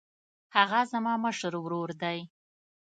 هغه زما مشر ورور دی